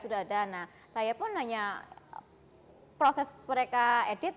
nah saya pun hanya proses mereka edit